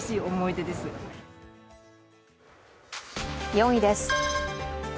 ４位です。